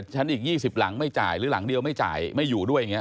ชั้นอีกยี่สิบหลังไม่จ่ายหรือหลังเดียวไม่จ่ายไม่อยู่ด้วย